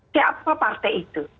siapa partai itu